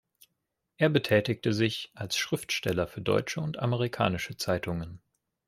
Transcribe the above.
Er betätigte sich als Schriftsteller für deutsche und amerikanische Zeitungen.